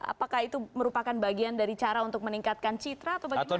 apakah itu merupakan bagian dari cara untuk meningkatkan citra atau bagaimana